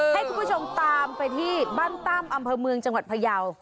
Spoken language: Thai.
ให้คุณผู้ชมตามไปที่บ้านตั้มอำเภอเมืองจังหวัดพยาว